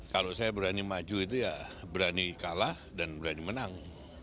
kalau saya berani maju itu ya berani kalah dan berani menang